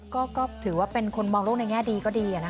ก็ถือว่าเป็นคนมองโลกในแง่ดีก็ดี